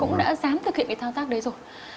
cũng đã dám thực hiện cái thao tác đấy rồi